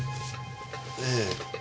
ええ。